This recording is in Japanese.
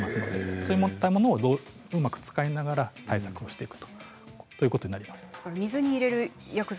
そういうものをうまく使いながら対策していくということになります。